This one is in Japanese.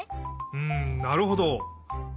うんなるほど！